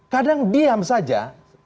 kadang diam saja